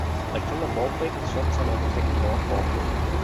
Alexander Borthwick, third son of the second Lord Borthwick.